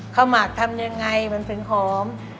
หมักทำยังไงมันถึงหอม